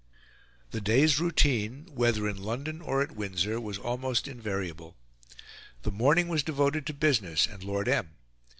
'" The day's routine, whether in London or at Windsor, was almost invariable. The morning was devoted to business and Lord M.